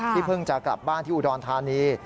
เพิ่งจะกลับบ้านที่อุดรธานี